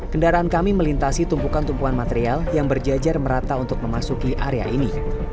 kendaraan kami melintasi tumpukan tumpuan material yang berjajar merata untuk memasuki area ini